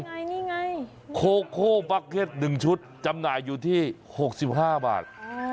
นี่ไงนี่ไงโคโคบัคเก็ตหนึ่งชุดจำหน่ายอยู่ที่หกสิบห้าบาทอ่า